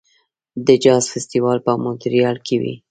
د جاز فستیوال په مونټریال کې وي.